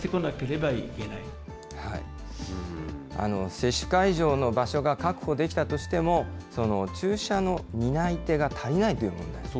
接種会場の場所が確保できたとしても、その注射の担い手が足りないという問題。